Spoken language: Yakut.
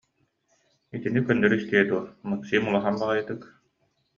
Итини көннөрү истиэ дуо, Максим улахан баҕайытык: